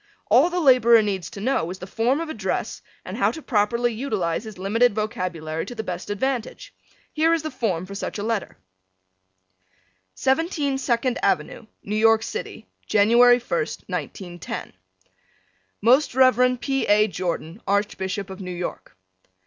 All the laborer needs to know is the form of address and how to properly utilize his limited vocabulary to the best advantage. Here is the form for such a letter: 17 Second Avenue, New York City. January 1st, 1910. Most Rev. P. A. Jordan, Archbishop of New York.